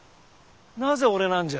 なぜ俺なんじゃ？